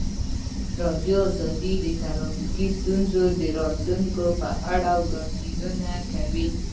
ازادي راډیو د ټرافیکي ستونزې د راتلونکې په اړه وړاندوینې کړې.